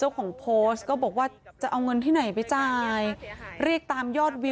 เรื่องที่ว่าเราอาจจะลงมาอาจจะไม่ใช่ความจริงก็ได้